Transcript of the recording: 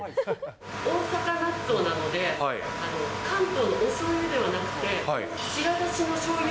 大阪納豆なので、関東のおしょうゆではなくて、白だしのしょうゆ